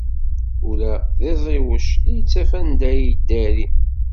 Ula d iẓiwec ittaf anda ara yeddari.